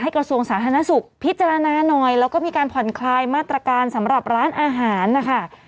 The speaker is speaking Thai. กระทรวงสาธารณสุขพิจารณาหน่อยแล้วก็มีการผ่อนคลายมาตรการสำหรับร้านอาหารนะคะ